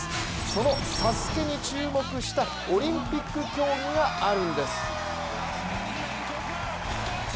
その「ＳＡＳＵＫＥ」に注目したオリンピック競技があるんです。